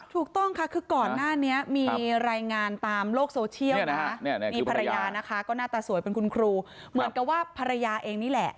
ถูกต้องค่ะคือก่อนหน้านี้มีรายงานตามโลกโซเชียลนะมีภรรยานะคะก็หน้าตาสวยเป็นคุณครูเหมือนกับว่าภรรยาเองนี่แหละ